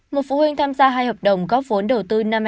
một phụ huynh tham gia hai hợp đồng góp vốn đầu tư năm hai nghìn